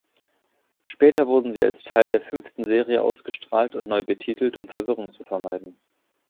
Später wurden sie als Teil der fünften Serie ausgestrahlt und neu betitelt, um Verwirrung zu vermeiden.